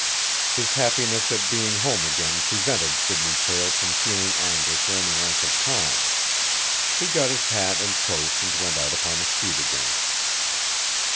His happiness at being home again prevented Sidney Prale from feeling anger for any length of time. He got his hat and coat and went out upon the street again.